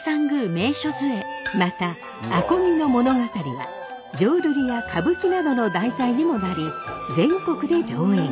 また阿漕の物語は浄瑠璃や歌舞伎などの題材にもなり全国で上演。